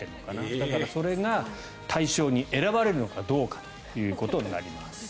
だから、それが大賞に選ばれるのかどうかということになります。